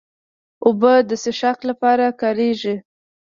اوبه د څښاک لپاره کارېږي.